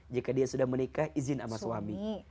jika dia sudah menikah izin sama suami